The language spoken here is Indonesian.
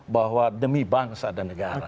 bahwa demi bangsa dan negara